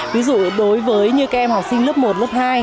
ví dụ đối với như các em học sinh lớp một lớp hai